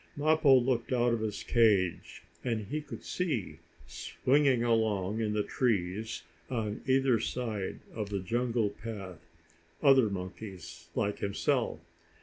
Mappo looked out of his cage, and he could see, swinging along in the trees on either side of the jungle path, other monkeys like himself.